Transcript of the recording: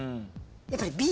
やっぱりＢ。